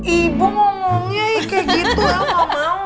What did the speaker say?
ibu ngomongnya kayak gitu el gak mau